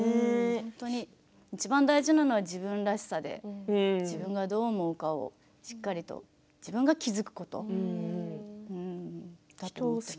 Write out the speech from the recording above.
いちばん大事なのは自分らしさで自分がどう思うかを、しっかりと自分が気付くことだと思います。